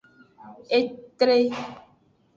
Etre.